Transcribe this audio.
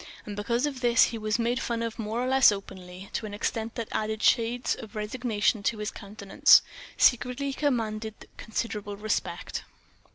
And if because of this he was made fun of more or less openly, to an extent that added shades of resignation to his countenance, secretly he commanded considerable respect.